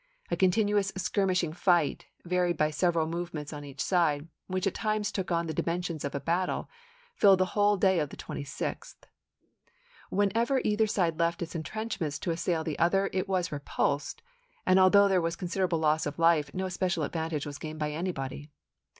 A continuous skirmishing fight, varied by several movements on each side, which at times took on the dimensions of a battle, filled the whole day of the 26th. When ever either side left its intrenchments to assail the other, it was repulsed, and although there was con siderable loss of life, no especial advantage was gained by anybody.